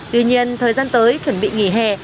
tuy nhiên thời gian tới chuẩn bị nghỉ hè